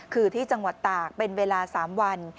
คือที่จังหวัดตากเป็นเวลา๓วัน